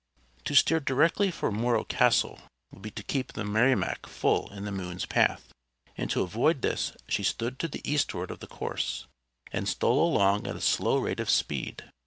To steer directly for Morro Castle would be to keep the Merrimac full in the moon's path, and to avoid this she stood to the eastward of the course, and stole along at a slow rate of speed.